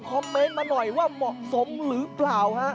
คอมเมนต์มาหน่อยว่าเหมาะสมหรือเปล่า